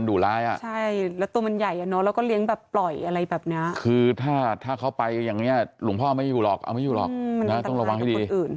ให้ห้างเจ้าเข้าเขาจะได้ความอุ้น